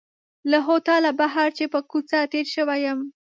له هوټله بهر چې پر کوڅه تېر شوی یم.